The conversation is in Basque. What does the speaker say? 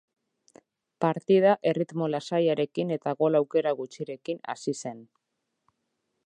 Partida erritmo lasaiarekin eta gol aukera gutxirekin hasi zen.